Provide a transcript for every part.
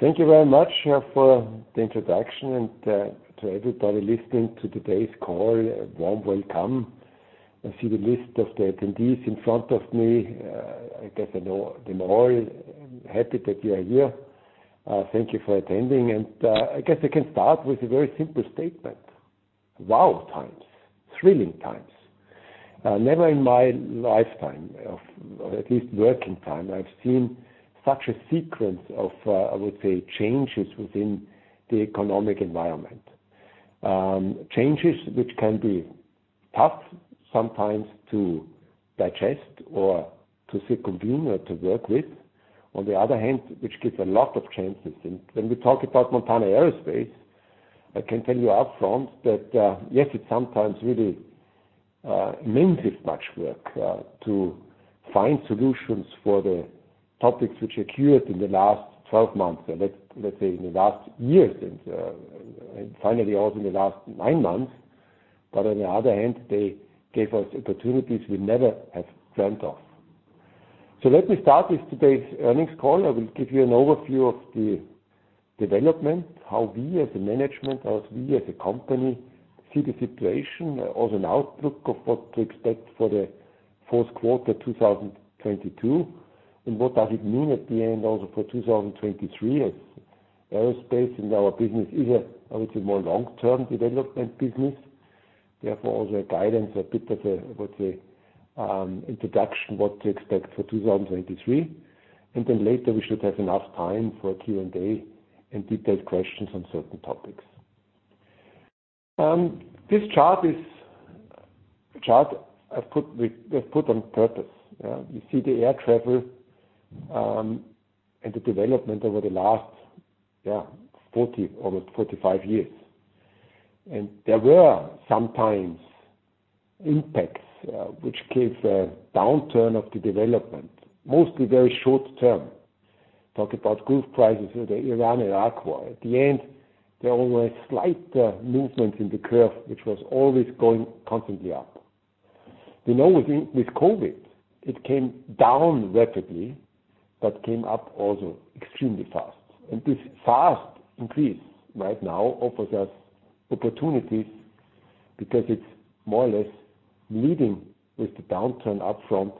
Thank you very much for the introduction and to everybody listening to today's call, a warm welcome. I see the list of the attendees in front of me. I guess I know them all. Happy that you are here. Thank you for attending. I guess I can start with a very simple statement. Wow, times. Thrilling times. Never in my lifetime of, or at least working time, I've seen such a sequence of, I would say, changes within the economic environment. Changes which can be tough sometimes to digest or to sit convenient to work with. On the other hand, which gives a lot of chances. When we talk about Montana Aerospace, I can tell you up front that, yes, it's sometimes really means as much work to find solutions for the topics which occurred in the last 12 months, and let's say in the last years, and finally, also in the last nine months. On the other hand, they gave us opportunities we never have dreamt of. Let me start with today's earnings call. I will give you an overview of the development, how we as a management, how we as a company see the situation as an outlook of what to expect for the fourth quarter, 2022, and what does it mean at the end also for 2023 as aerospace and our business is a, I would say, more long-term development business. Therefore, also a guidance, a bit of a, I would say, introduction, what to expect for 2023. Then later we should have enough time for Q&A and detailed questions on certain topics. This chart is a chart we have put on purpose. You see the air travel and the development over the last 40, almost 45 years. There were some times impacts which gave a downturn of the development, mostly very short term. Gulf crisis with Iran and Iraq war. At the end, there were slight movements in the curve, which was always going constantly up. We know with COVID, it came down rapidly, but came up also extremely fast. This fast increase right now offers us opportunities because it's more or less leading with the downturn upfront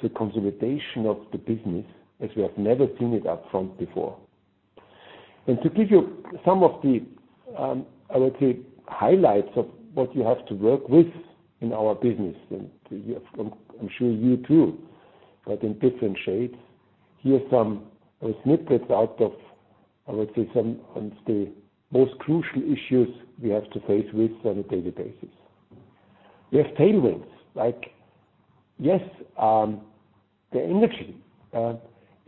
to consolidation of the business as we have never seen it up front before. To give you some of the, I would say, highlights of what you have to work with in our business, and I'm sure you too, but in different shades. Here are some snippets out of, I would say, some of the most crucial issues we have to face with on a daily basis. We have tailwinds, like, yes, the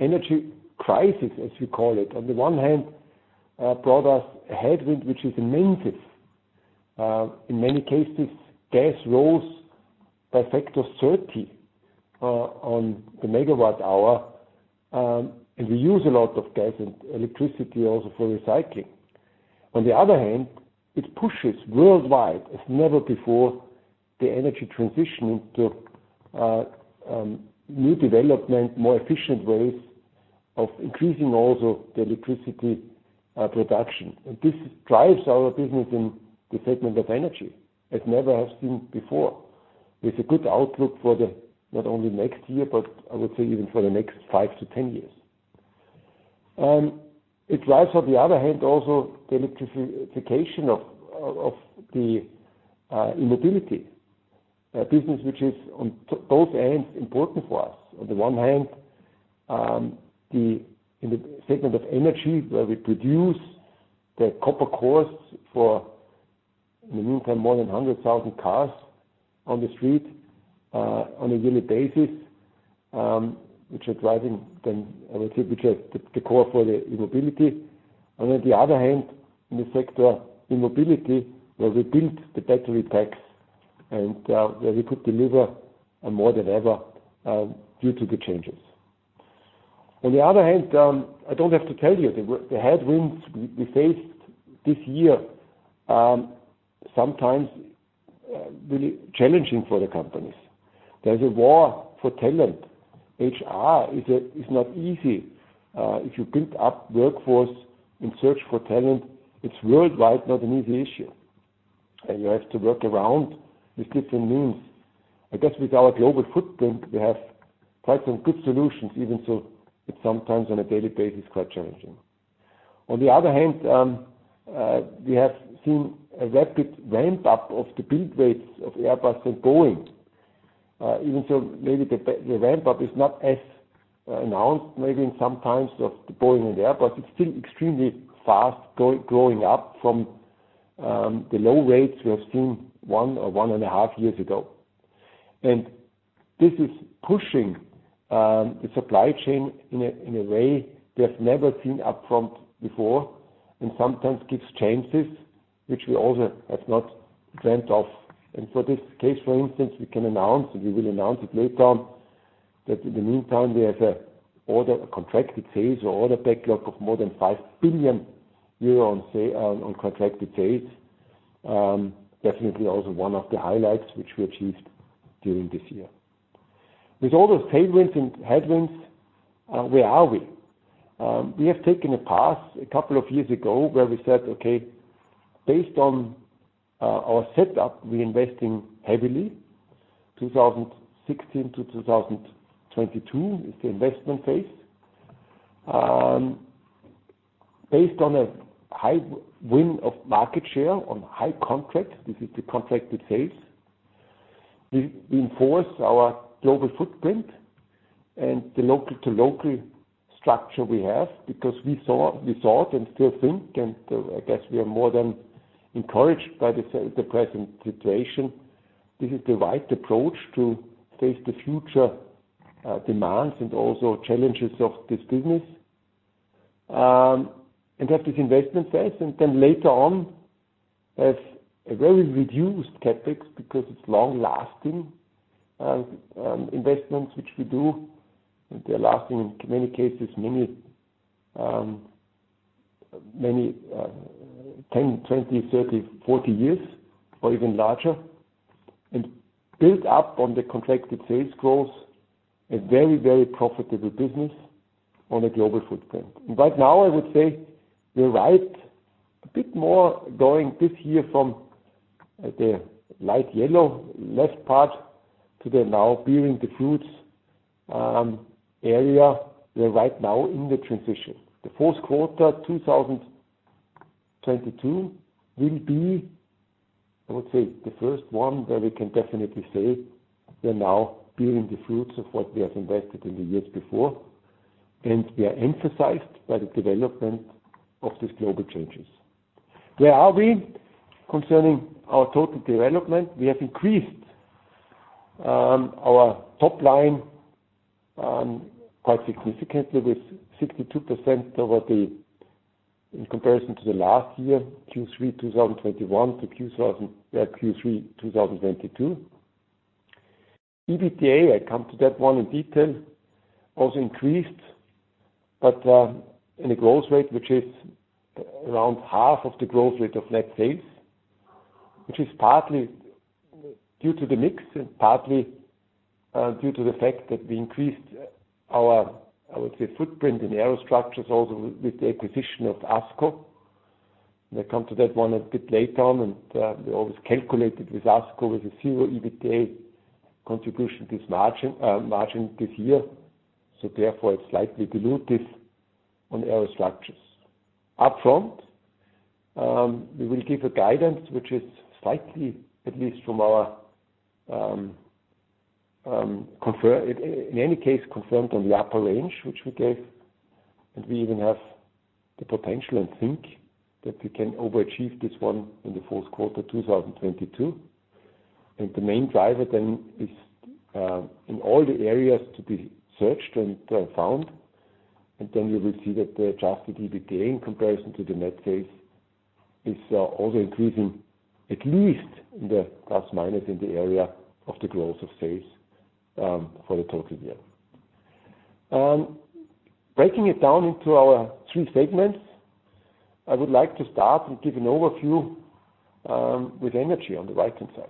energy crisis, as you call it, on the one hand, brought us a headwind, which is immense. In many cases, gas rose by a factor of 30 on the megawatt hour, and we use a lot of gas and electricity also for recycling. On the other hand, it pushes worldwide, as never before, the energy transition into new development, more efficient ways of increasing also the electricity production. This drives our business in the segment of energy as never seen before. With a good outlook for the not only next year, but I would say even for the next five to 10 years. It drives, on the other hand, also the electrification of the E-Mobility business, which is on both ends important for us. On the one hand, in the segment of energy, where we produce the copper cores for in the meantime more than 100,000 cars on the street on a yearly basis, which are driving then, I would say, which are the core for the E-Mobility. On the other hand, in the sector E-Mobility, where we build the battery packs and where we could deliver more than ever, due to the changes. On the other hand, I don't have to tell you, the headwinds we faced this year are sometimes really challenging for the companies. There's a war for talent. HR is not easy. If you build up workforce and search for talent, it's worldwide not an easy issue. You have to work around with different means. I guess with our global footprint, we have quite some good solutions. Even so, it's sometimes on a daily basis, quite challenging. On the other hand, we have seen a rapid ramp-up of the build rates of Airbus and Boeing. Even so, maybe the ramp-up is not as announced maybe in some times of Boeing and Airbus. It's still extremely fast growing up from the low rates we have seen one or 1.5 years ago. This is pushing the supply chain in a way we have never seen up front before and sometimes gives chances, which we also have not dreamt of. For this case, for instance, we can announce, and we will announce it later, that in the meantime, we have order a contracted sales or order backlog of more than 5 billion euro on contracted sales. Definitely also one of the highlights which we achieved during this year. With all those tailwinds and headwinds, where are we? We have taken a path a couple of years ago where we said, "Okay, based on our setup, we're investing heavily, 2016 to 2022 is the investment phase." Based on a high win of market share on high contract, this is the contracted sales. We enforce our global footprint and the local to local structure we have, because we thought and still think, and I guess we are more than encouraged by the present situation. This is the right approach to face the future demands and also challenges of this business. That is investment phase, and then later on, as a very reduced CapEx, because it's long-lasting, investments which we do, and they're lasting, in many cases, 10, 20, 30, 40 years or even larger. Build up on the contracted sales growth, a very, very profitable business on a global footprint. Right now, I would say we're right, a bit more going this year from the light yellow left part to the now bearing the fruits, area. We're right now in the transition. The fourth quarter 2022 will be, I would say, the first one where we can definitely say we're now bearing the fruits of what we have invested in the years before. We are emphasized by the development of these global changes. Where are we concerning our total development? We have increased our top line quite significantly with 62% over the, in comparison to the last year, Q3 2021 to Q3 2022. EBITDA, I come to that one in detail, also increased, but in a growth rate, which is around half of the growth rate of net sales. Which is partly due to the mix and partly due to the fact that we increased our, I would say, footprint in Aerostructures, also with the acquisition of Asco. I come to that one a bit later on, and we always calculate it with Asco with a zero EBITDA contribution to this margin this year. So therefore, it's slightly dilutive on Aerostructures. Upfront, we will give a guidance, which is slightly, at least from our, confirmed in any case on the upper range, which we gave. We even have the potential and think that we can overachieve this one in the fourth quarter, 2022. The main driver then is in all the areas to be searched and found. You will see that the adjusted EBITDA in comparison to the net sales is also increasing, at least in the plus or minus in the area of the growth of sales for the total year. Breaking it down into our three segments, I would like to start and give an overview with energy on the right-hand side.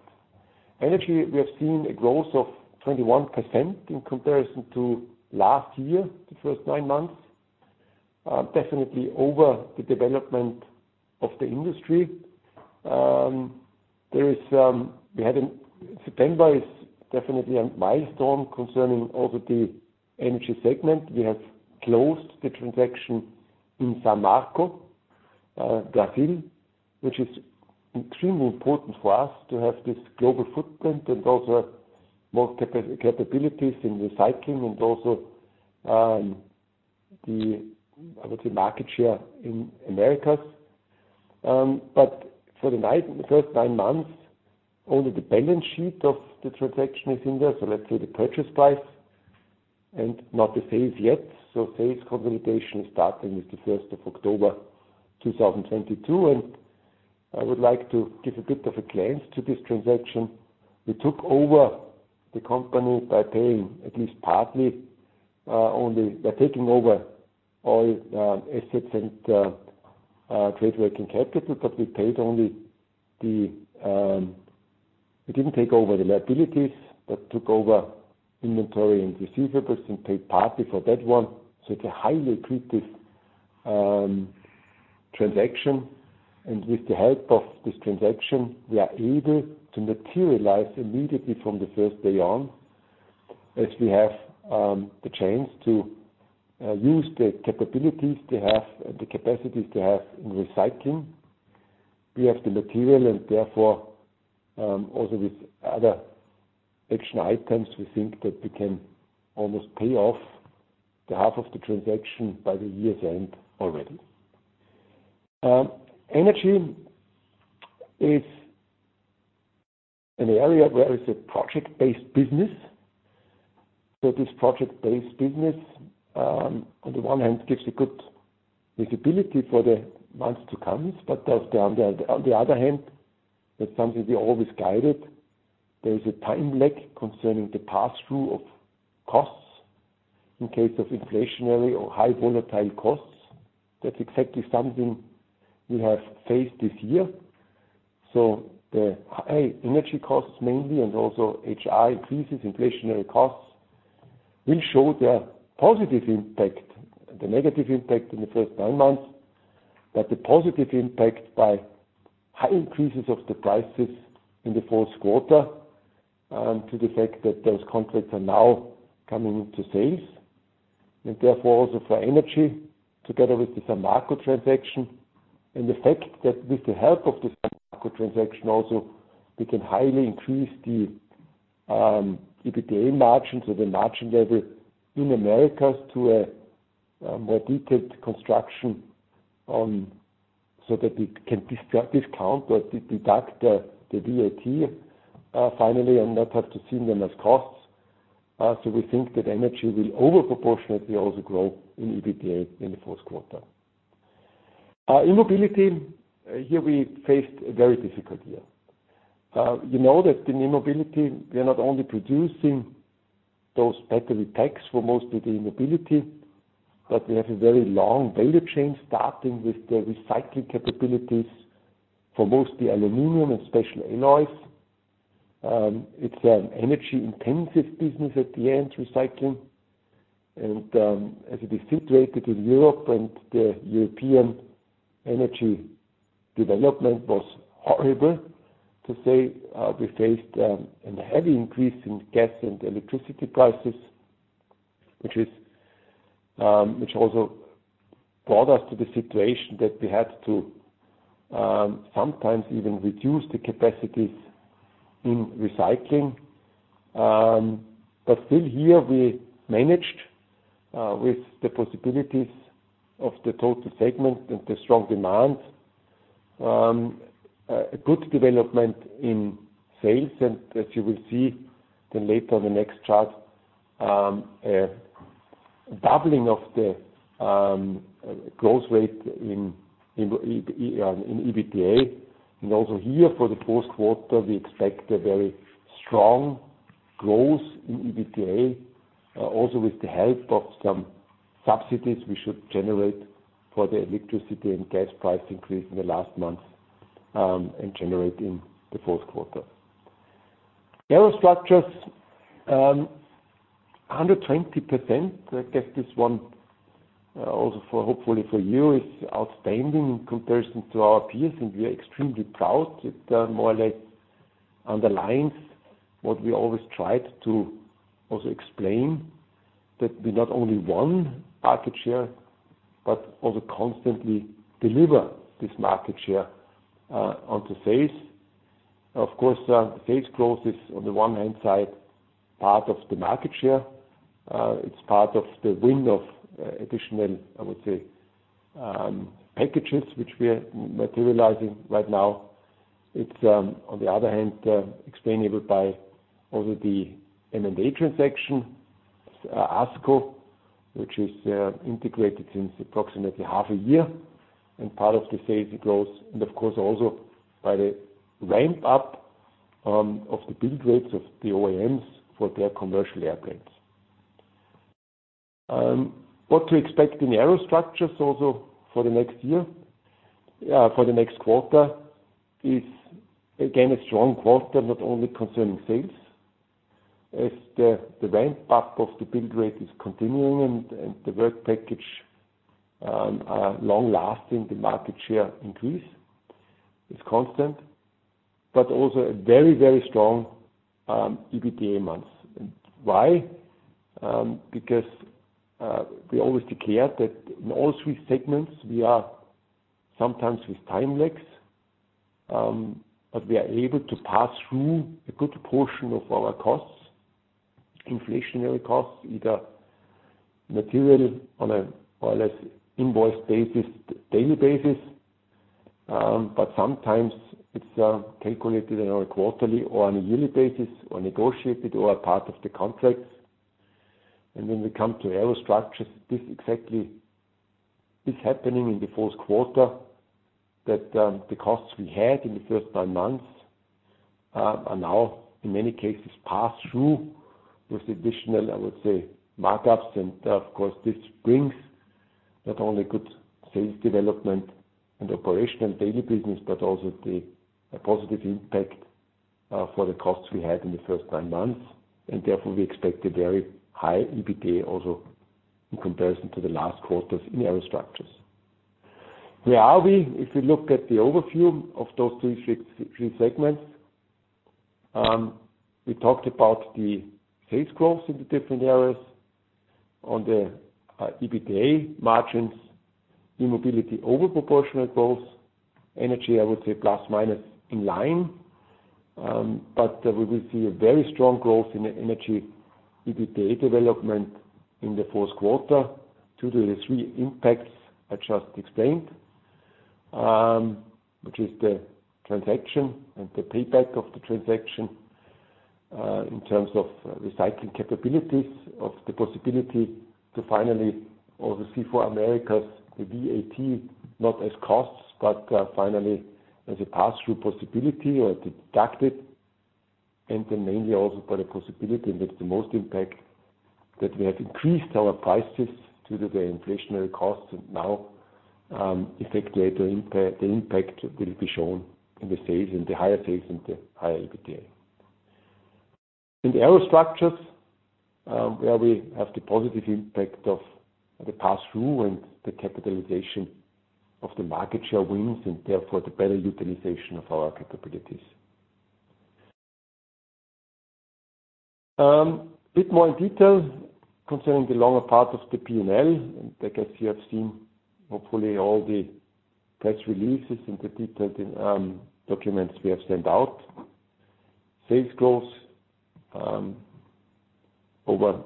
Energy, we have seen a growth of 21% in comparison to last year, the first nine months. Definitely over the development of the industry. September is definitely a milestone concerning also the energy segment. We have closed the transaction in São Marcos, Brazil, which is extremely important for us to have this global footprint and also more capabilities in recycling and also the, I would say, market share in Americas. For the first nine months, only the balance sheet of the transaction is in there. Let's say the purchase price and not the sales yet. Sales consolidation starting with the first of October 2022. I would like to give a bit of a glance to this transaction. We took over the company by paying at least partly only by taking over all assets and trade working capital, but we paid only the. We didn't take over the liabilities, but took over inventory and receivables and paid partly for that one. It's a highly accretive transaction. With the help of this transaction, we are able to materialize immediately from the first day on, as we have the chance to use the capabilities they have, the capacities they have in recycling. We have the material and therefore, also with other action items, we think that we can almost pay off the half of the transaction by the year's end already. Energy is an area where it's a project-based business. This project-based business, on the one hand, gives a good visibility for the months to come. On the other hand, that's something we always guided. There is a time lag concerning the pass-through of costs. In case of inflationary or highly volatile costs. That's exactly something we have faced this year. The high energy costs mainly, and also HR increases, inflationary costs, will show their positive impact. The negative impact in the first nine months, but the positive impact by high increases of the prices in the fourth quarter to the fact that those contracts are now coming into sales. Therefore also for energy, together with the São Marco transaction. The fact that with the help of this São Marco transaction also, we can highly increase the EBITDA margins or the margin level in Americas to a more detailed construction, so that we can discount or deduct the VAT finally, and not have to see them as costs. We think that energy will over proportionately also grow in EBITDA in the fourth quarter. E-Mobility here we faced a very difficult year. You know that in E-Mobility, we are not only producing those battery packs for most of the E-Mobility, but we have a very long value chain, starting with the recycling capabilities for most of the aluminum and special alloys. It's an energy-intensive business at the end, recycling. As it is situated in Europe and the European energy development was horrible to say, we faced a heavy increase in gas and electricity prices, which also brought us to the situation that we had to sometimes even reduce the capacities in recycling. Still here, we managed with the possibilities of the total segment and the strong demand a good development in sales. As you will see then later on the next chart, a doubling of the growth rate in EBITDA. Also here for the fourth quarter, we expect a very strong growth in EBITDA. Also with the help of some subsidies we should generate for the electricity and gas price increase in the last months, and generate in the fourth quarter. Aerostructures, 120%. I guess this one, also for, hopefully for you, is outstanding in comparison to our peers, and we are extremely proud. It more or less underlines what we always tried to also explain, that we not only won market share, but also constantly deliver this market share onto sales. Of course, the sales growth is, on the one hand side, part of the market share. It's part of the win of additional, I would say, packages which we are materializing right now. It's on the other hand explainable by also the M&A transaction, Asco, which is integrated since approximately half a year. Part of the sales growth, and of course, also by the ramp up of the build rates of the OEMs for their commercial airplanes. What to expect in Aerostructures also for the next year? Yeah, for the next quarter is again a strong quarter, not only concerning sales, as the ramp up of the build rate is continuing and the work package are long-lasting, the market share increase is constant. Also a very, very strong EBITDA months. Why? Because we always declared that in all three segments we are sometimes with time lags, but we are able to pass through a good portion of our costs, inflationary costs, either materially on a more or less invoice basis, daily basis. Sometimes it's calculated on a quarterly or on a yearly basis or negotiated or a part of the contracts. When we come to Aerostructures, this exactly is happening in the fourth quarter, that the costs we had in the first nine months are now in many cases passed through with additional, I would say markups. Of course, this brings not only good sales development and operational daily business, but also a positive impact for the costs we had in the first nine months. Therefore, we expect a very high EBITDA also in comparison to the last quarters in Aerostructures. Where are we if we look at the overview of those three segments? We talked about the sales growth in the different areas. On the EBITDA margins, E-Mobility, over proportional growth. Energy, I would say, plus minus in line. But we will see a very strong growth in Energy EBITDA development in the fourth quarter due to the three impacts I just explained. Which is the transaction and the payback of the transaction in terms of recycling capabilities, of the possibility to finally also see for Americas the VAT not as costs, but finally as a pass-through possibility or deducted. Then mainly also by the possibility, and that's the most impact, that we have increased our prices due to the inflationary costs. The impact will be shown in the sales, in the higher sales and the higher EBITDA. In the Aerostructures, where we have the positive impact of the pass-through and the capitalization of the market share wins, and therefore, the better utilization of our capabilities. A bit more in detail concerning the longer part of the P&L. I guess you have seen, hopefully, all the press releases and the detailed, documents we have sent out. Sales growth over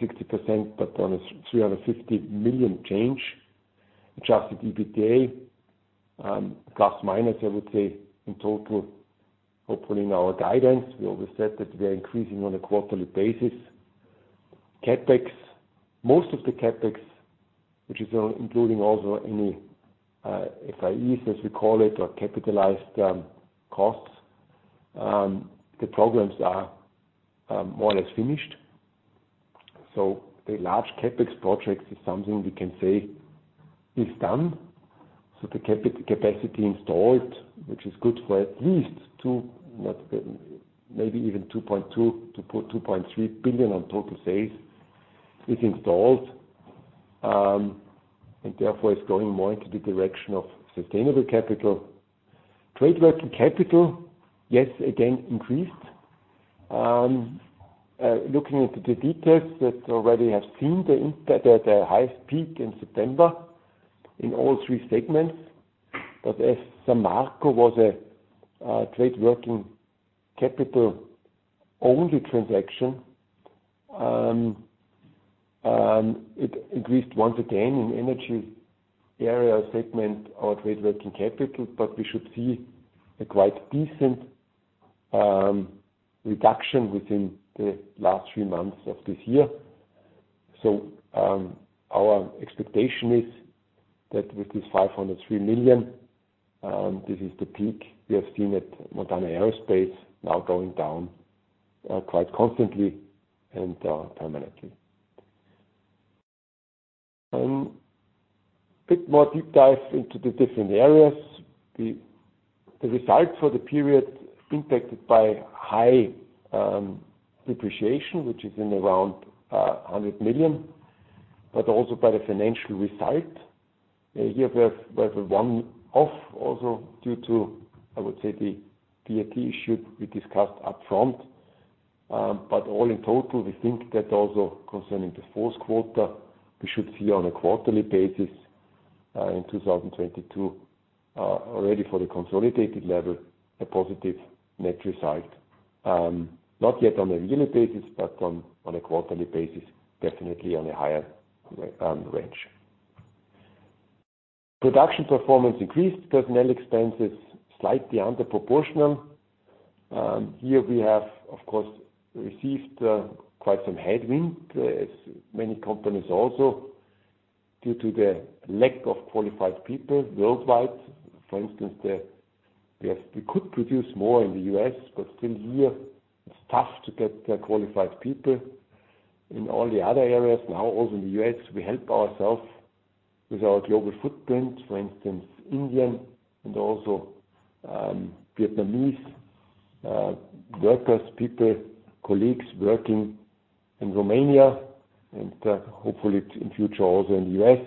60%, but on a 350 million change. Adjusted EBITDA, plus minus, I would say, in total. Hopefully, in our guidance, we always said that we are increasing on a quarterly basis. CapEx. Most of the CapEx, which is including also any FIEs, as we call it, or capitalized costs, the programs are more or less finished. The large CapEx projects is something we can say is done. The capacity installed, which is good for at least 2 billion, not maybe even 2.2-2.3 billion on total sales, is installed. Therefore, it's going more into the direction of sustainable capital. Trade working capital, yes, again, increased. Looking into the details that already have seen the impact at their highest peak in September in all three segments. As São Marco was a trade working capital-only transaction, it increased once again in E-Mobility segment of trade working capital. We should see a quite decent reduction within the last three months of this year. Our expectation is that with this 503 million, this is the peak we have seen at Montana Aerospace now going down quite constantly and permanently. Bit more deep dive into the different areas. The results for the period impacted by high depreciation, which is around 100 million, but also by the financial result. Here, we have a one-off also due to, I would say, the VAT issue we discussed up front. But all in total, we think that also concerning the fourth quarter, we should see on a quarterly basis in 2022 already for the consolidated level, a positive net result. Not yet on a unit basis, but on a quarterly basis, definitely on a higher range. Production performance increased. Personnel expenses, slightly under proportional. Here we have, of course, received quite some headwind, as many companies also, due to the lack of qualified people worldwide. For instance, we could produce more in the US, but still here it's tough to get the qualified people. In all the other areas, now also in the US, we help ourselves with our global footprint. For instance, Indian and also Vietnamese workers, people, colleagues working in Romania, and hopefully in future also in the US.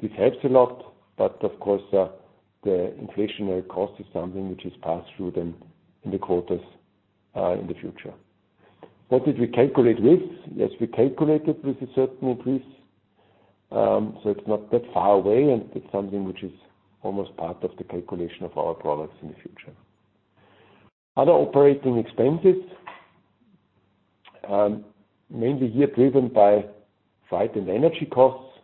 This helps a lot, but of course, the inflationary cost is something which is passed through then in the quarters in the future. What did we calculate with? Yes, we calculated with a certain increase, so it's not that far away, and it's something which is almost part of the calculation of our products in the future. Other operating expenses, mainly here driven by freight and energy costs,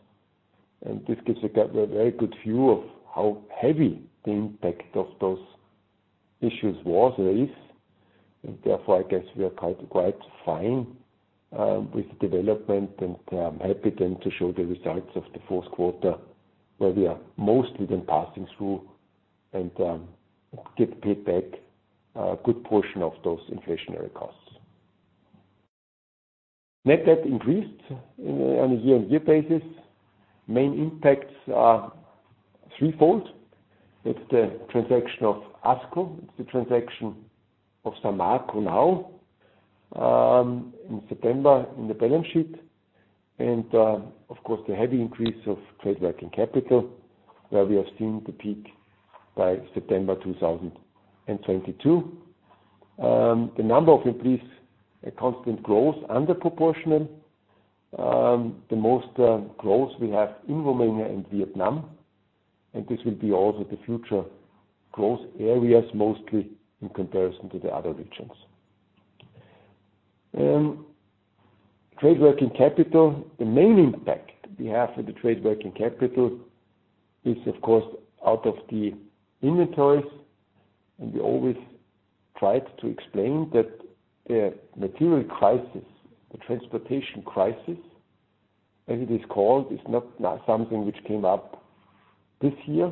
and this gives a very good view of how heavy the impact of those issues was or is. Therefore, I guess we are quite fine with the development, and I'm happy then to show the results of the fourth quarter, where we are mostly then passing through and get paid back a good portion of those inflationary costs. Net debt increased on a year-on-year basis. Main impacts are threefold. It's the transaction of Asco, it's the transaction of São Marco now in September in the balance sheet. Of course, the heavy increase of trade working capital, where we have seen the peak by September 2022. The number of employees, a constant growth, under proportional. The most growth we have in Romania and Vietnam, and this will be also the future growth areas, mostly in comparison to the other regions. Trade working capital. The main impact we have for the trade working capital is, of course, out of the inventories. We always tried to explain that a material crisis, a transportation crisis, as it is called, it's not something which came up this year.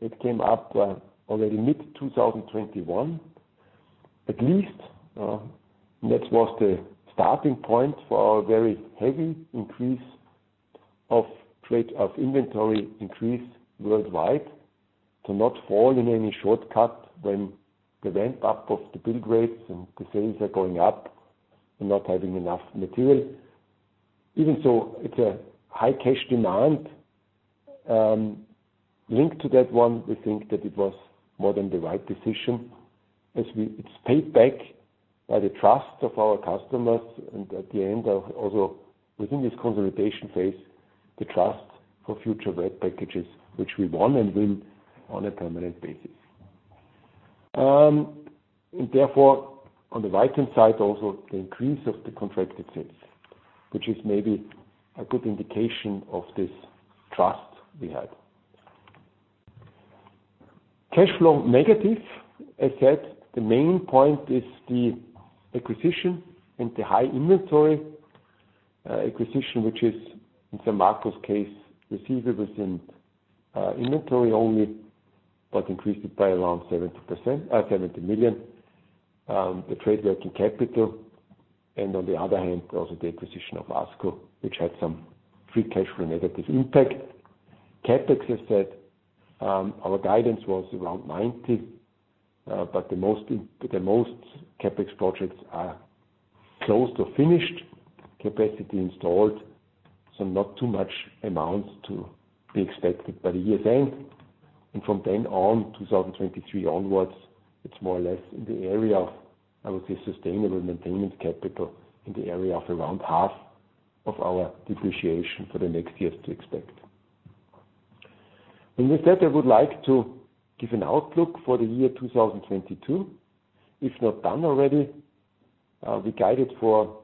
It came up already mid 2021. At least, that was the starting point for our very heavy increase of inventory increase worldwide to not fall in any shortcut when the ramp up of the build rates and the sales are going up and not having enough material. Even so, it's a high cash demand. Linked to that one, we think that it was more than the right decision. It's paid back by the trust of our customers and although within this consolidation phase, the trust for future rate packages which we want and will on a permanent basis. Therefore on the right-hand side also, the increase of the contracted sales, which is maybe a good indication of this trust we had. Cash flow negative. As said, the main point is the acquisition and the high inventory, acquisition, which is in São Marco's case, receivables and, inventory only, but increased it by around 70%, 70 million, the trade working capital. On the other hand, also the acquisition of Asco, which had some free cash flow negative impact. CapEx, as said, our guidance was around 90 million, but the most CapEx projects are close to finished capacity installed, so not too much amounts to be expected by the year end. From then on, 2023 onwards, it's more or less in the area of, I would say, sustainable maintenance capital in the area of around half of our depreciation for the next years to expect. With that, I would like to give an outlook for the year 2022, if not done already. We guided for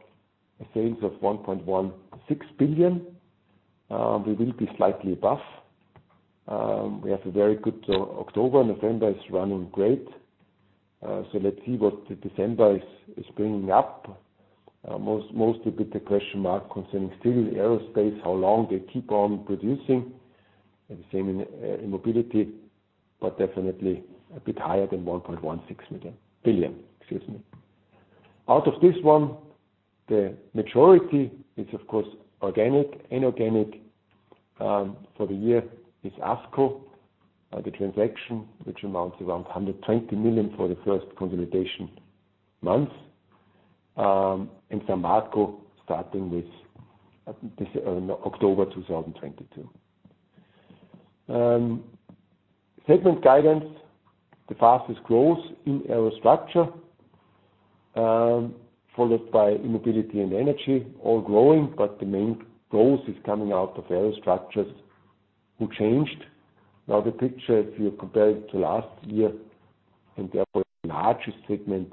sales of 1.16 billion. We will be slightly above. We have a very good October. November is running great. So let's see what December is bringing up. Mostly with the question mark concerning still aerospace, how long they keep on producing and the same in mobility, but definitely a bit higher than 1.16 billion, excuse me. Out of this one, the majority is of course organic. Inorganic for the year is Asco, the transaction which amounts around 120 million for the first consolidation month, and São Marco starting with this October 2022. Segment guidance. The fastest growth in aerostructures, followed by E-Mobility and energy, all growing. The main growth is coming out of aerostructures who changed. Now the picture, if you compare it to last year, and therefore the largest segment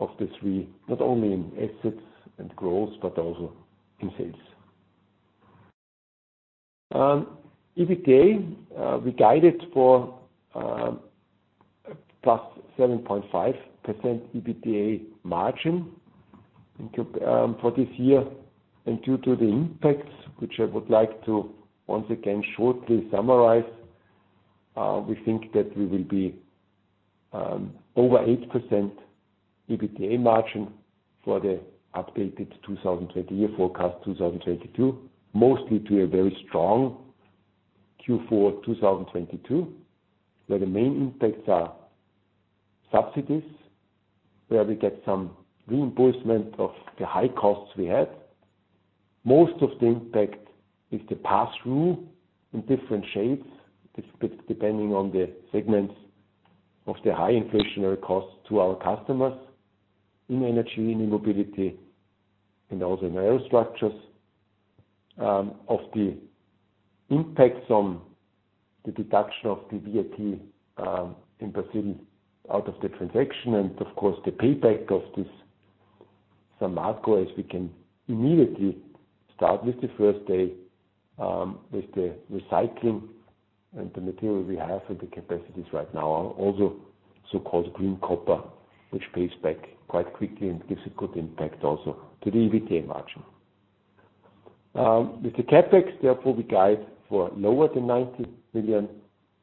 of the three, not only in assets and growth but also in sales. EBITDA, we guided for +7.5% EBITDA margin for this year. Due to the impacts, which I would like to once again shortly summarize, we think that we will be over 8% EBITDA margin for the updated 2022 year forecast, 2022, mostly due to a very strong Q4 2022, where the main impacts are subsidies, where we get some reimbursement of the high costs we had. Most of the impact is the pass-through in different shapes, depending on the segments of the high inflationary costs to our customers in energy, in E-Mobility and also in Aerostructures. Of the impacts on the deduction of the VAT in Brazil out of the transaction and of course the payback of this São Marco, as we can immediately start with the first day with the recycling and the material we have and the capacities right now are also so-called green copper, which pays back quite quickly and gives a good impact also to the EBITDA margin. With the CapEx, therefore, we guide for lower than 90 billion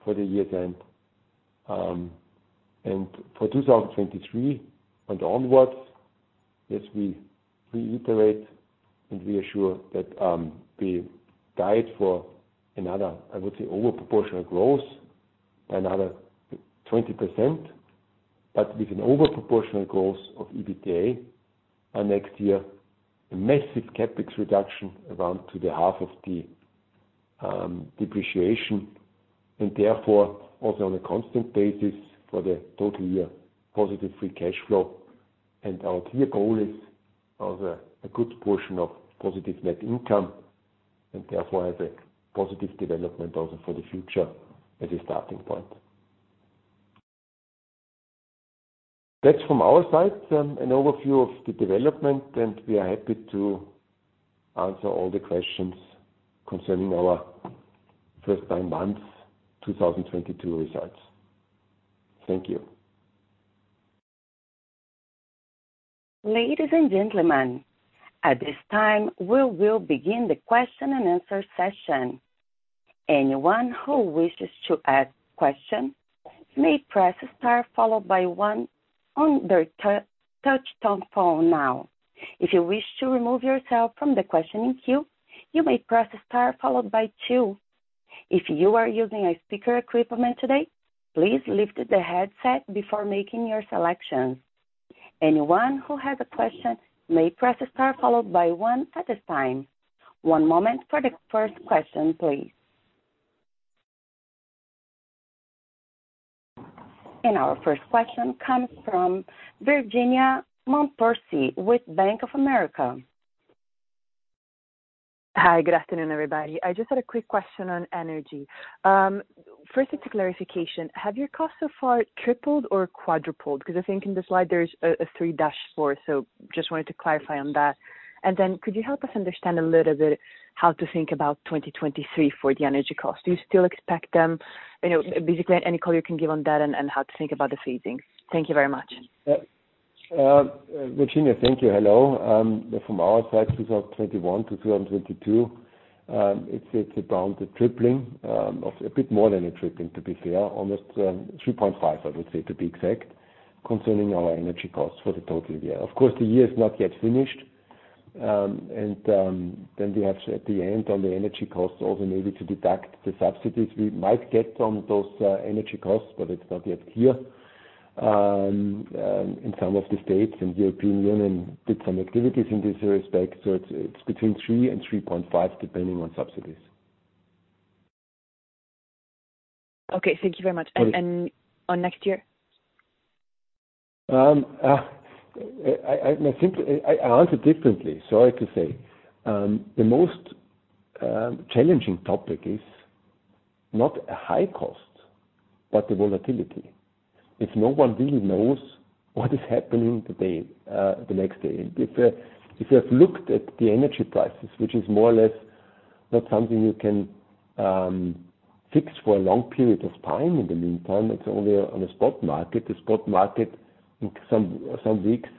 for the year end, and for 2023 and onwards, as we reiterate and reassure that, we guide for another, I would say, over proportional growth, another 20%, but with an over proportional growth of EBITDA, and next year, a massive CapEx reduction around to the half of the depreciation and therefore also on a constant basis for the total year, positive free cash flow. Our clear goal is also a good portion of positive net income and therefore has a positive development also for the future as a starting point. That's from our side, an overview of the development, and we are happy to answer all the questions concerning our first nine months 2022 results. Thank you. Ladies and gentlemen, at this time, we will begin the question and answer session. Anyone who wishes to ask question may press star followed by one on their touch-tone phone now. If you wish to remove yourself from the questioning queue, you may press star followed by two. If you are using a speakerphone today, please lift the headset before making your selections. Anyone who has a question may press star followed by one at any time. One moment for the first question, please. Our first question comes from Virginia Montorsi with Bank of America. Hi, good afternoon, everybody. I just had a quick question on energy. First, it's a clarification. Have your costs so far tripled or quadrupled? Because I think in the slide there's a three dash four. Just wanted to clarify on that. Could you help us understand a little bit how to think about 2023 for the energy cost? Do you still expect them? You know, basically any color you can give on that and how to think about the phasing. Thank you very much. Virginia. Thank you. Hello. From our side, 2021 to 2022, it's around a tripling of a bit more than a tripling, to be clear, almost 3.5, I would say, to be exact, concerning our energy costs for the total year. Of course, the year is not yet finished. Then we have to, at the end, on the energy costs, also maybe to deduct the subsidies we might get on those energy costs, but it's not yet clear. In some of the states in the European Union did some activities in this respect, so it's between three and 3.5, depending on subsidies. Okay. Thank you very much. Sorry. on next year? I think I answer differently, sorry to say. The most challenging topic is not a high cost, but the volatility, if no one really knows what is happening today, the next day. If you have looked at the energy prices, which is more or less not something you can fix for a long period of time in the meantime, it's only on a spot market. The spot market in some weeks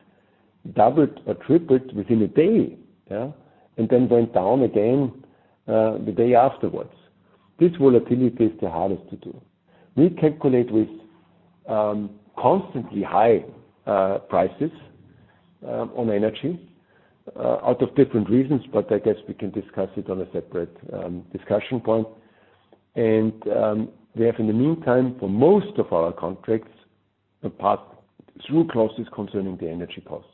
doubled or tripled within a day, yeah, and then went down again, the day afterwards. This volatility is the hardest to do. We calculate with constantly high prices on energy out of different reasons, but I guess we can discuss it on a separate discussion point. We have in the meantime, for most of our contracts, the pass-through clauses concerning the energy costs.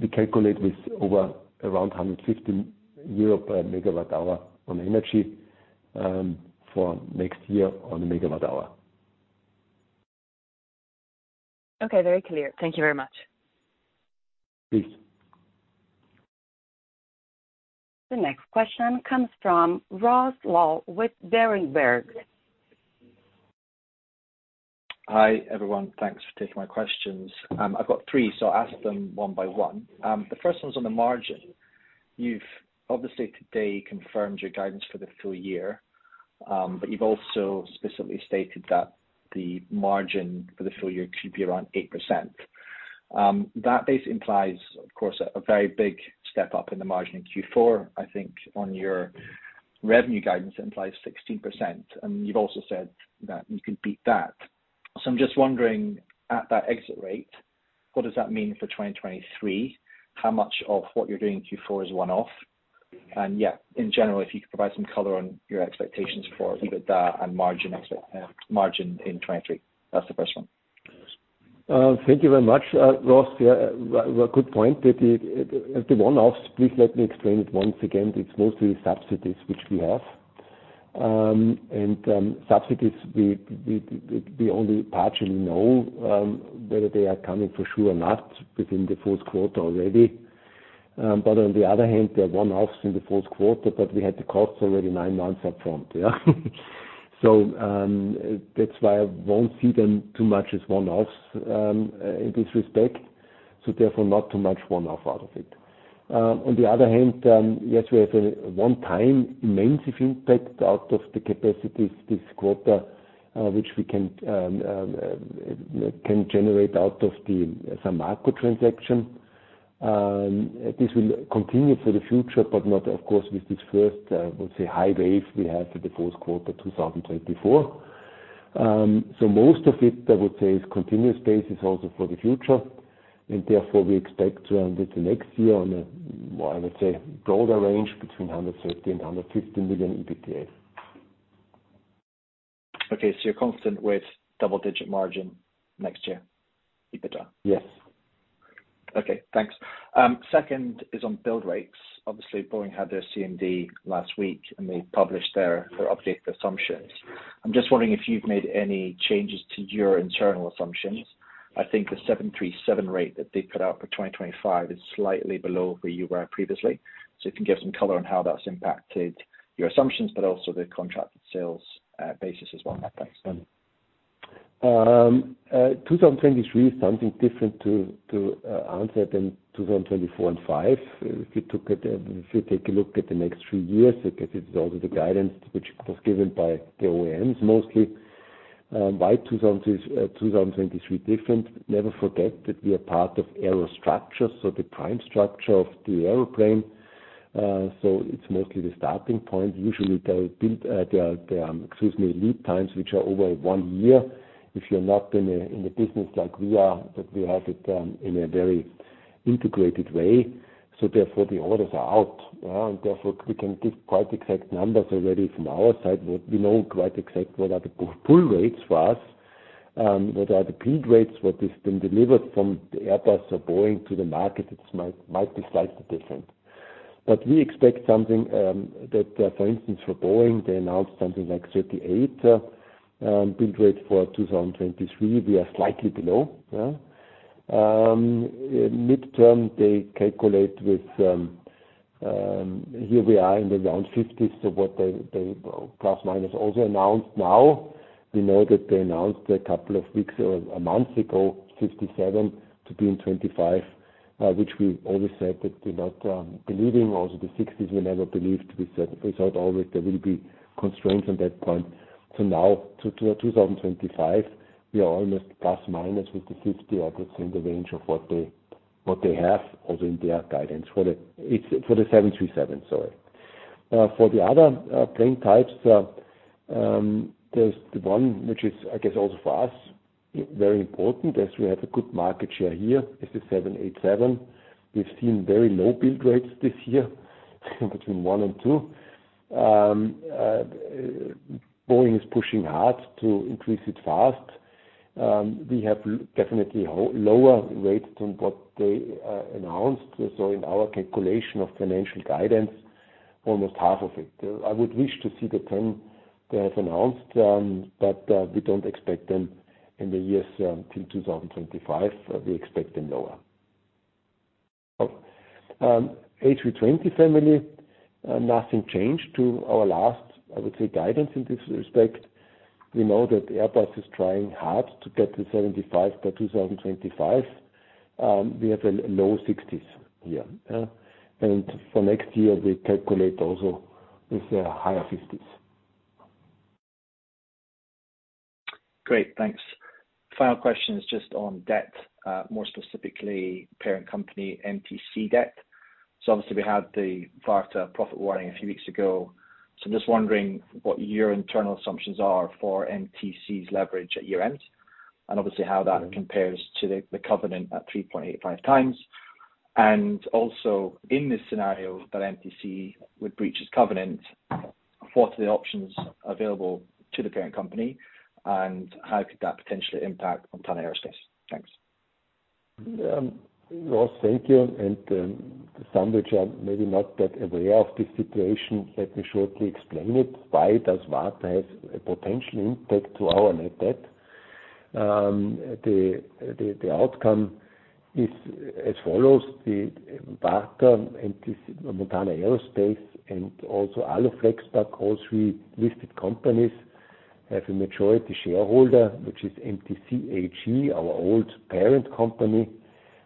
We calculate with over around 150 euro per MWh on energy, for next year on the MWh. Okay. Very clear. Thank you very much. Please. The next question comes from Ross Law with Berenberg. Hi, everyone. Thanks for taking my questions. I've got three, so I'll ask them one by one. The first one's on the margin. You've obviously today confirmed your guidance for the full year, but you've also specifically stated that the margin for the full year should be around 8%. That basically implies, of course, a very big step up in the margin in Q4. I think on your revenue guidance, it implies 16%, and you've also said that you can beat that. I'm just wondering at that exit rate, what does that mean for 2023? How much of what you're doing in Q4 is one-off? Yeah, in general, if you could provide some color on your expectations for EBITDA and margin exit, margin in 2023. That's the first one. Thank you very much, Ross. Yeah, good point. The one-offs, please let me explain it once again. It's mostly subsidies which we have. Subsidies, we only partially know whether they are coming for sure or not within the fourth quarter already. But on the other hand, they're one-offs in the fourth quarter, but we had the costs already nine months up front. That's why I won't see them too much as one-offs in this respect, so therefore, not too much one-off out of it. On the other hand, yes, we have a one-time immense impact out of the capacities this quarter, which we can generate out of the São Marco transaction. This will continue for the future, but not of course with this first, we'll say high wave we have for the fourth quarter 2024. Most of it, I would say, is continuous basis also for the future. Therefore, we expect for the next year on a, well, I would say broader range between 150 million and EUR 250 million EBITDA. Okay. You're consistent with double-digit margin next year EBITDA? Yes. Okay. Thanks. Second is on build rates. Obviously, Boeing had their CMD last week, and they published their updated assumptions. I'm just wondering if you've made any changes to your internal assumptions. I think the 737 rate that they put out for 2025 is slightly below where you were previously. If you can give some color on how that's impacted your assumptions, but also the contracted sales basis as well. Thanks. 2023 is something different to answer than 2024 and 2025. If you take a look at the next three years, it is also the guidance which was given by the OEMs mostly. By 2023 different, never forget that we are part of Aerostructures, so the primary structure of the airplane. It's mostly the starting point. Usually, there are lead times which are over one year. If you're not in a business like we are, that we have it in a very integrated way. Therefore, the orders are out. Therefore, we can give quite exact numbers already from our side, but we know quite exact what are the pull rates for us, what are the peak rates, what has been delivered from the Airbus or Boeing to the market, it might be slightly different. We expect something that, for instance, for Boeing, they announced something like 38 build rate for 2023. We are slightly below. Midterm, they calculate with here we are around the 50s. What they plus minus also announced now, we know that they announced a couple of weeks or a month ago, 57 to be in 2025, which we always said that we're not believing. Also the 60s, we never believed. We said as a result always there will be constraints on that point. Now to our 2025, we are almost plus minus with the 50 or that's in the range of what they have also in their guidance for the—it's for the 737, sorry. For the other plane types, there's the one which is, I guess, also for us very important as we have a good market share here, is the 787. We've seen very low build rates this year, between one and two. Boeing is pushing hard to increase it fast. We have definitely lower rates than what they announced. In our calculation of financial guidance, almost half of it. I would wish to see the 10 they have announced, but we don't expect them in the years till 2025. We expect them lower. A320 family, nothing changed to our last, I would say, guidance in this respect. We know that Airbus is trying hard to get to 75 by 2025. We have a low 60s here. Yeah. For next year, we calculate also with the higher 50s. Great. Thanks. Final question is just on debt, more specifically, parent company MTC debt. Obviously, we had the VARTA profit warning a few weeks ago. I'm just wondering what your internal assumptions are for MTC's leverage at year-end, and obviously how that compares to the covenant at 3.85 times. Also, in this scenario that MTC would breach its covenant, what are the options available to the parent company, and how could that potentially impact Montana Aerospace? Thanks. Ross, thank you. Some who are maybe not that aware of the situation, let me shortly explain it, why does VARTA have a potential impact to our net debt. The outcome is as follows: VARTA and Montana Aerospace and also Aluflexpack, all three listed companies, have a majority shareholder, which is MTC AG, our old parent company,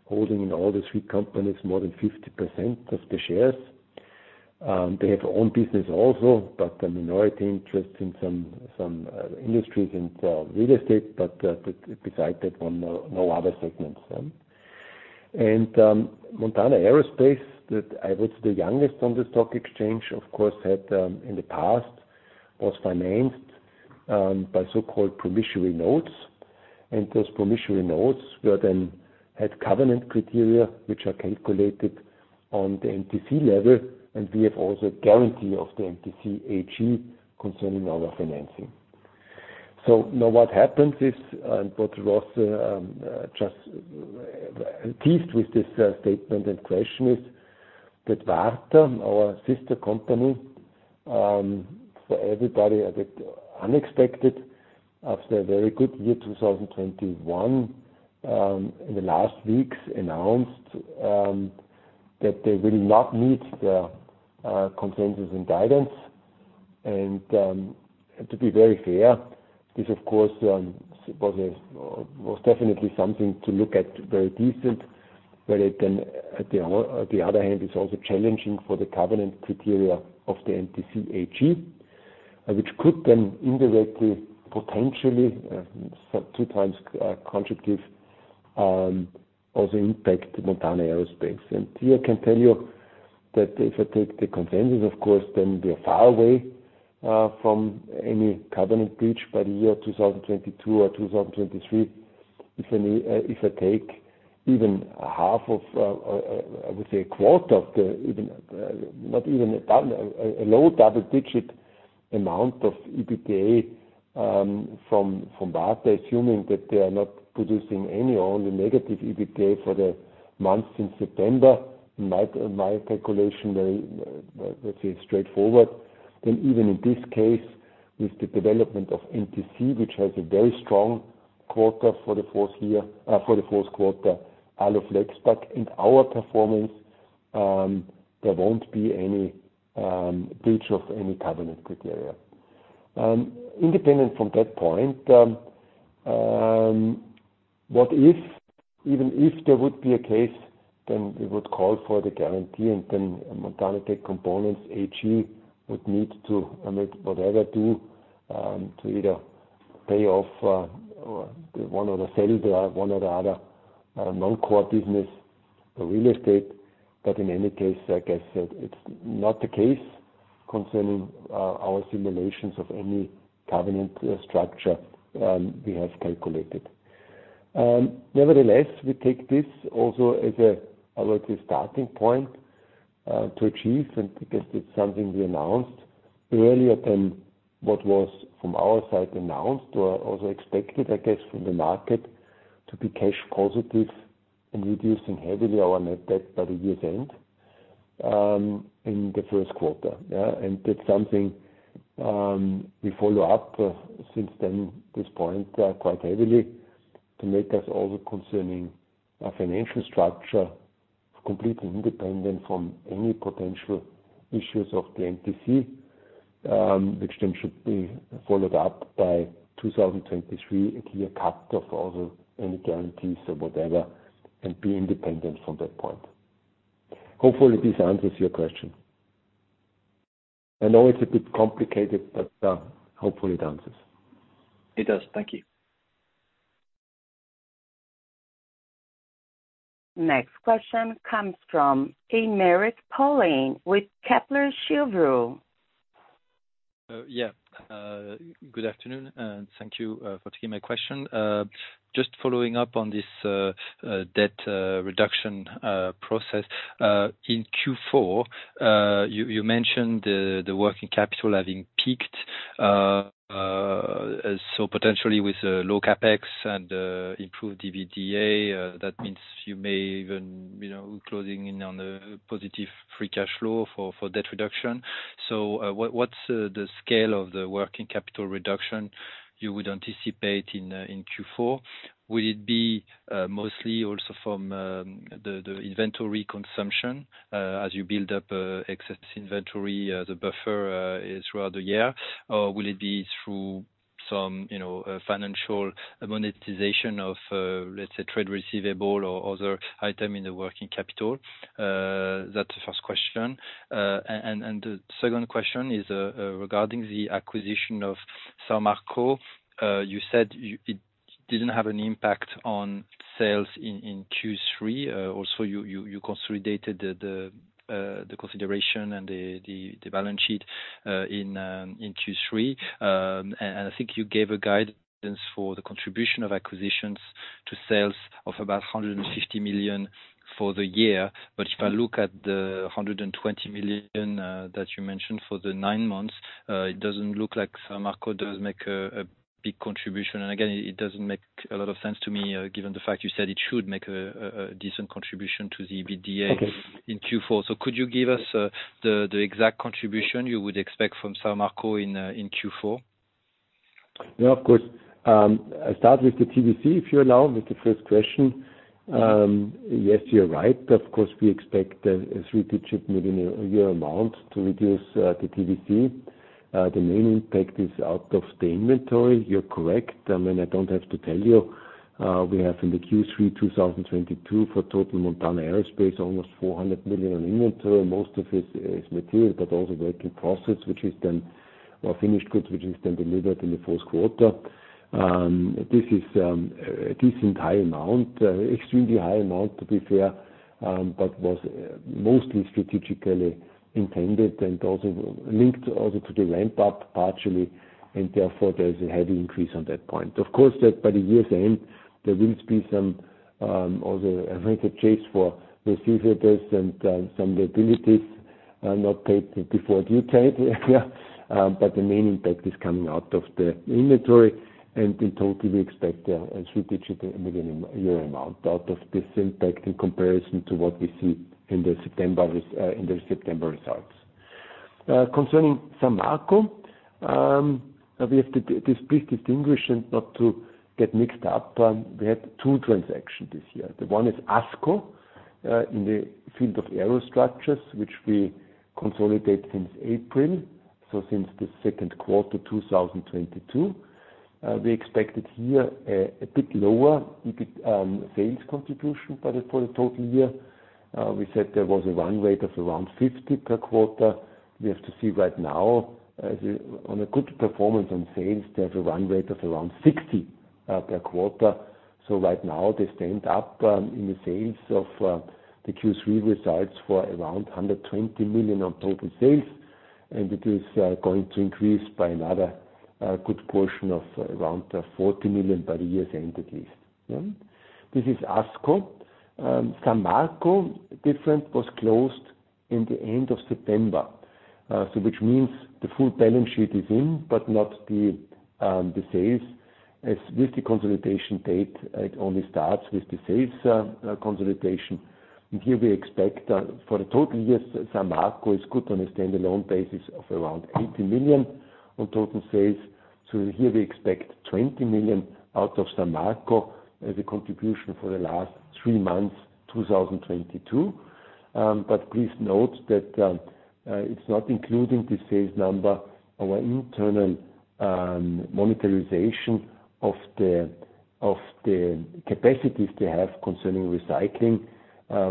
holding in all the three companies more than 50% of the shares. They have own business also, but a minority interest in some industries and real estate, but beside that, no other segments. Montana Aerospace, that I would say the youngest on the stock exchange, of course, had in the past was financed by so-called promissory notes. Those promissory notes were then had covenant criteria, which are calculated on the MTC level, and we have also guarantee of the MTC AG concerning our financing. Now what happens is, and what Ross just teased with this statement and question is that VARTA, our sister company, for everybody a bit unexpected after a very good year, 2021, in the last weeks announced that they will not meet the consensus and guidance. To be very fair, this of course was definitely something to look at very decent, but it can at the other hand is also challenging for the covenant criteria of the MTC AG, which could then indirectly, potentially, two times contribute also impact Montana Aerospace. Here I can tell you that if I take the consensus, of course, then we are far away from any covenant breach by the year 2022 or 2023. If any, if I take even half of, I would say a quarter of the even, not even a low double-digit amount of EBITDA from VARTA, assuming that they are not producing any or only negative EBITDA for the months in September, my calculation very, let's say straightforward, then even in this case, with the development of MTC, which has a very strong quarter for the fourth quarter, Aluflexpack and our performance, there won't be any breach of any covenant criteria. Independent from that point, what if, even if there would be a case, then we would call for the guarantee and then Montana Tech Components AG would need to meet whatever is due to either pay off or sale of one or the other non-core business, the real estate. In any case, like I said, it's not the case concerning our simulations of any covenant structure we have calculated. Nevertheless, we take this also as a, I would say, starting point to achieve, and because it's something we announced earlier than what was from our side announced or also expected, I guess, from the market to be cash positive and reducing heavily our net debt by the year's end in the first quarter. That's something we follow up since then, this point, quite heavily to make us also concerning our financial structure, completely independent from any potential issues of the MTC, which then should be followed up by 2023, a clear cut of also any guarantees or whatever, and be independent from that point. Hopefully this answers your question. I know it's a bit complicated, but hopefully it answers. It does. Thank you. Next question comes from Emeric Paulin with Kepler Cheuvreux. Yeah. Good afternoon, and thank you for taking my question. Just following up on this debt reduction process. In Q4, you mentioned the working capital having peaked. Potentially with a low CapEx and improved EBITDA, that means you may even, you know, closing in on a positive free cash flow for debt reduction. What's the scale of the working capital reduction you would anticipate in Q4? Will it be mostly also from the inventory consumption as you build up excess inventory, the buffer throughout the year? Or will it be through some, you know, financial monetization of, let's say, trade receivable or other item in the working capital? That's the first question. The second question is regarding the acquisition of São Marco. You said it didn't have an impact on sales in Q3. Also you consolidated the consideration and the balance sheet in Q3. I think you gave a guidance for the contribution of acquisitions to sales of about 150 million for the year. If I look at the 120 million that you mentioned for the nine months, it doesn't look like São Marco does make a big contribution. Again, it doesn't make a lot of sense to me, given the fact you said it should make a decent contribution to the EBITDA. Okay. -in Q4. Could you give us, the exact contribution you would expect from São Marco in Q4? Yeah, of course. I start with the TWC, if you allow, with the first question. Yes, you're right. Of course, we expect a three-digit million EUR amount to reduce the TWC. The main impact is out of the inventory. You're correct. I mean, I don't have to tell you, we have in the Q3 2022 for total Montana Aerospace, almost 400 million EUR in inventory. Most of it is material, but also work in process, which is then or finished goods, which is then delivered in the first quarter. This is a decent, high amount, extremely high amount to be fair, but was mostly strategically intended and also linked to the ramp up partially, and therefore there's a heavy increase on that point. Of course that by the year's end, there will be some also I think a chase for receivables and some liabilities not paid before due time. The main impact is coming out of the inventory. In total, we expect a three-digit million EUR amount out of this impact in comparison to what we see in the September results. Concerning São Marco, we have to distinguish and not to get mixed up. We had two transactions this year. The one is Asco in the field of aerostructures, which we consolidate since April. Since the second quarter 2022. We expected here a bit lower sales contribution for the total year. We said there was a run rate of around 50 per quarter. We have to see right now on a good performance on sales. They have a run rate of around 60 million per quarter. Right now they stand up in the sales of the Q3 results for around 120 million on total sales. It is going to increase by another good portion of around 40 million by the year's end, at least. This is Asco. São Marco was closed in the end of September. Which means the full balance sheet is in, but not the sales. As with the consolidation date, it only starts with the sales consolidation. Here we expect for the total year, São Marco is good on a standalone basis of around 80 million on total sales. Here we expect 20 million out of São Marco as a contribution for the last three months 2022. But please note that it's not including the sales number. Our internal monetization of the capacities we have concerning recycling,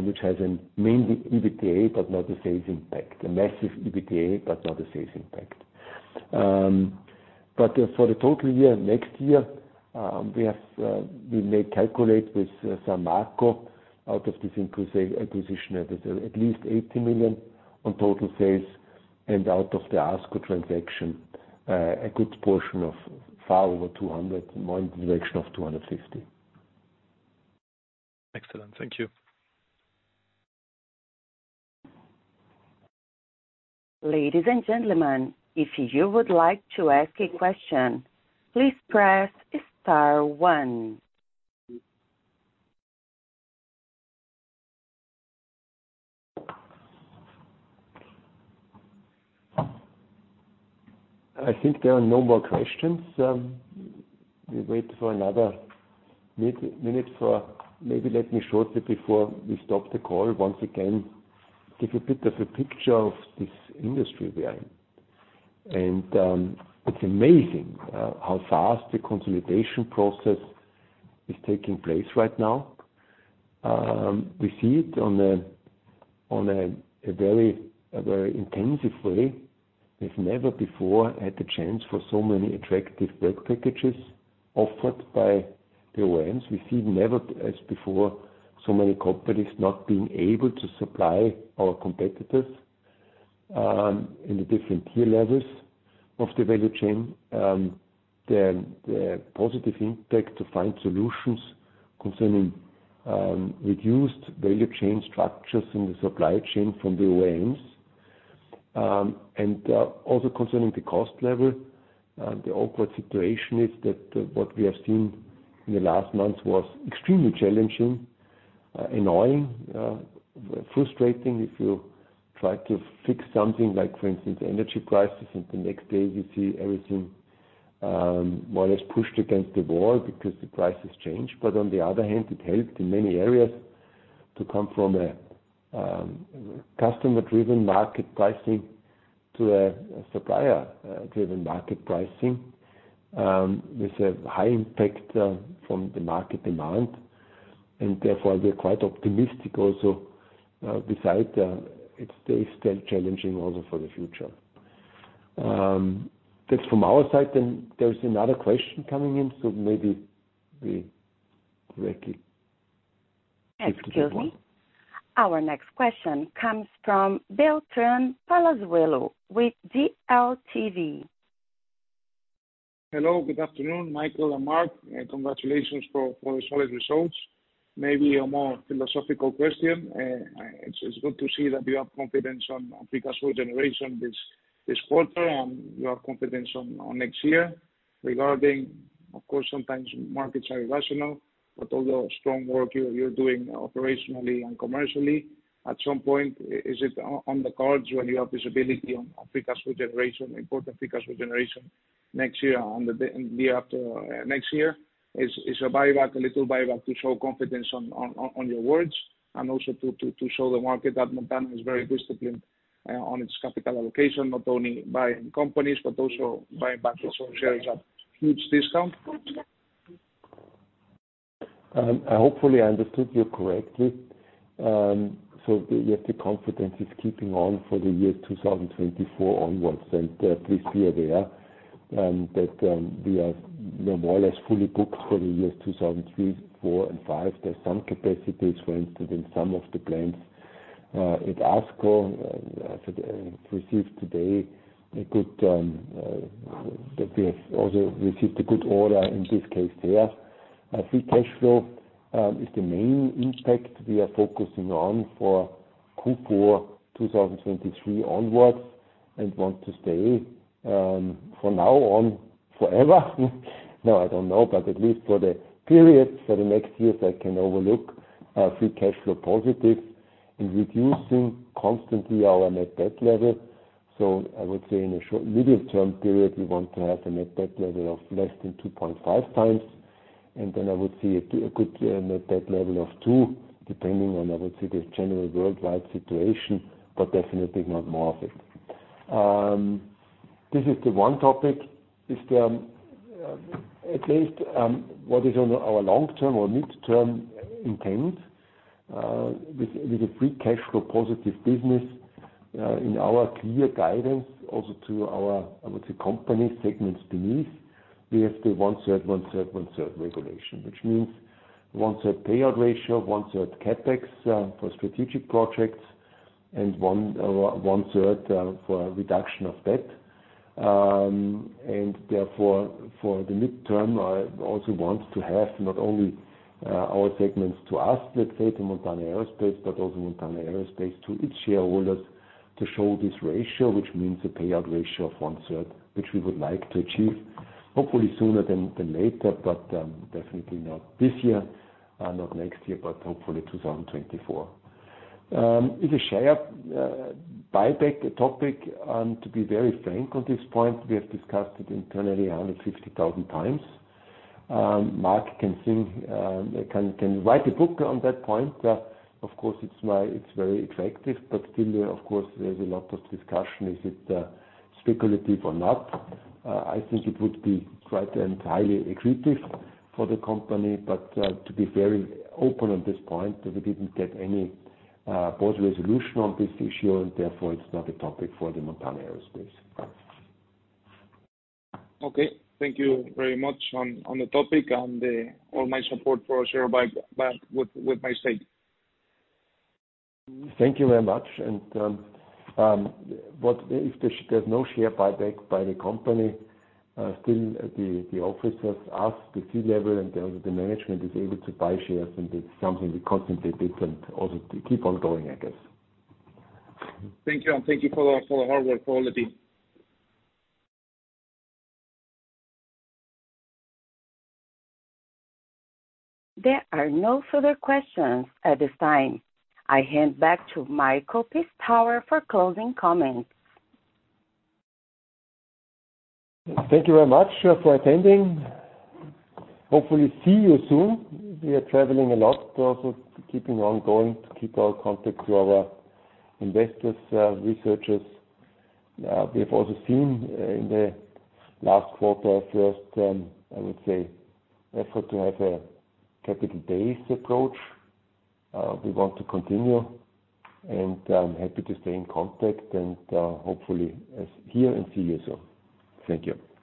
which has a mainly EBITDA, but not a sales impact. A massive EBITDA, but not a sales impact. For the total year, next year, we may calculate with São Marco out of this acquisition at least 80 million on total sales and out of the Asco transaction, a good portion of far over 200 million, more in the direction of 250 million. Excellent. Thank you. Ladies and gentlemen, if you would like to ask a question, please press star one. I think there are no more questions. We wait for another minute. Maybe let me shortly before we stop the call, once again, give a bit of a picture of this industry we are in. It's amazing how fast the consolidation process is taking place right now. We see it in a very intensive way. We've never before had the chance for so many attractive work packages offered by the OEMs. We see, never as before, so many companies not being able to supply, our competitors, in the different tier levels of the value chain. The positive impact to find solutions concerning reduced value chain structures in the supply chain from the OEMs, and also concerning the cost level. The awkward situation is that what we have seen in the last months was extremely challenging, annoying, frustrating. If you try to fix something like, for instance, energy prices, and the next day you see everything, more or less pushed against the wall because the prices change. On the other hand it helped in many areas to come from a, customer-driven market pricing to a supplier, driven market pricing, with a high impact, from the market demand. Therefore, we're quite optimistic also, beside, it stays still challenging also for the future. That's from our side. There's another question coming in, so maybe we directly take the next one. Excuse me. Our next question comes from Beltran Palazuelo with DLTV. Hello. Good afternoon, Michael and Mark. Congratulations for the solid results. Maybe a more philosophical question. It's good to see that we have confidence on free cash flow generation this quarter and you have confidence on next year. Regarding, of course, sometimes markets are irrational, but all the strong work you're doing operationally and commercially, at some point, is it on the cards when you have visibility on free cash flow generation, important free cash flow generation next year, on the and the year after next year? Is a buyback, a little buyback to show confidence on your words and also to show the market that Montana is very disciplined on its capital allocation, not only buying companies but also buying back its own shares at huge discount. Hopefully, I understood you correctly. Yes, the confidence is keeping on for the year 2024 onwards. Please be aware that we are, you know, more or less fully booked for the years 2023, 2024 and 2025. There's some capacities, for instance, in some of the plants at Asco. We have also received a good order in this case there. Free cash flow is the main impact we are focusing on for Q4 2023 onwards and want to stay from now on forever. No, I don't know. At least for the period, for the next years, I can foresee free cash flow positive and reducing constantly our net debt level. I would say in a short- to medium-term period, we want to have a net debt level of less than 2.5 times, and then I would see a good net debt level of two, depending on, I would say, the general worldwide situation, but definitely not more of it. This is the one topic. There's at least what is on our long-term or mid-term intent with a free cash flow positive business in our clear guidance also to our, I would say, company segments beneath. We have the one-third, one-third, one-third regulation, which means one-third payout ratio, one-third CapEx for strategic projects and one-third for a reduction of debt. Therefore, for the midterm, I also want to have not only our segments to us, let's say, to Montana Aerospace, but also Montana Aerospace to its shareholders to show this ratio, which means a payout ratio of 1/3, which we would like to achieve hopefully sooner than later, but definitely not this year, not next year, but hopefully 2024. Is a share buyback a topic? To be very frank on this point, we have discussed it internally 150,000 times. Mark can sing, can write a book on that point. Of course, it's very attractive, but still, of course, there's a lot of discussion. Is it speculative or not? I think it would be quite entirely accretive for the company. To be very open on this point, that we didn't get any board resolution on this issue and therefore it's not a topic for the Montana Aerospace. Okay. Thank you very much on the topic and all my support for share buyback with my stake. Thank you very much. What if there's no share buyback by the company, still the officers ask the C-level and the management is able to buy shares, and it's something we constantly did and also keep on going, I guess. Thank you. Thank you for the hard work for all the team. There are no further questions at this time. I hand back to Michael Pistauer for closing comments. Thank you very much for attending. Hopefully see you soon. We are traveling a lot, but also keeping on going to keep our contact to our investors, researchers. We have also seen in the last quarter, first, I would say effort to have a capital base approach. We want to continue and I'm happy to stay in contact and, hopefully as here and see you soon. Thank you.